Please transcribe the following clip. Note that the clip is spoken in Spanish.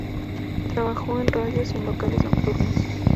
Trabajó en radios y en locales nocturnos.